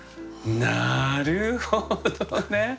なるほどね。